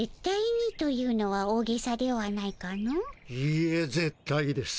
いいえぜっ対です。